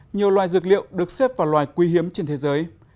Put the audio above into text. nhiều loài dược liệu được xếp vào loài quý hiếm trên thế giới